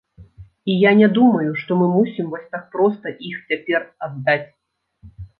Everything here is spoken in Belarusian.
І я не думаю, што мы мусім вось так проста іх цяпер аддаць.